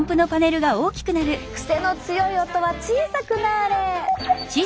クセの強い音は小さくなれ！